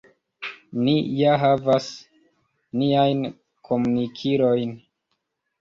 Ni ja havas niajn komunikilojn.